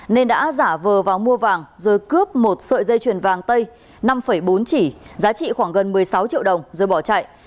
nên đã giả vờ vào mua vàng rồi cướp một sợi dây chuyền vàng tây năm bốn chỉ giá trị khoảng gần một mươi sáu triệu đồng rồi bỏ chạy